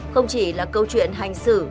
không chỉ là câu chuyện hành xử